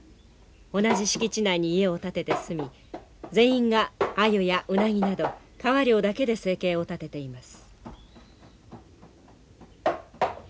同じ敷地内に家を建てて住み全員がアユやウナギなど川漁だけで生計を立てています。